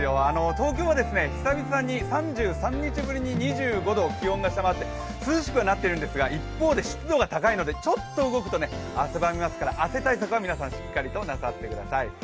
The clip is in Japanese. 東京は久々に、３３日ぶりに３０度、気温を下回って涼しくはなってるんですが、一方で湿度は高いのでちょっと動くと汗ばみますから暑さ対策はしっかりなさってください。